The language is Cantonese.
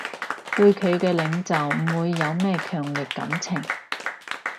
對佢嘅領袖唔會有咩強烈感情